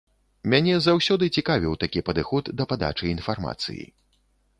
Мяне заўсёды цікавіў такі падыход да падачы інфармацыі.